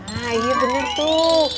nah iya bener tuh